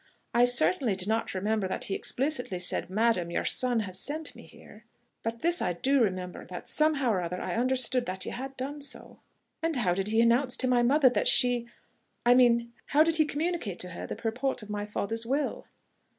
I certainly do not remember that he explicitly said 'Madam, your son has sent me here;' but this I do remember that somehow or other I understood that you had done so." "And how did he announce to my mother that she.... I mean, how did he communicate to her the purport of my father's will?"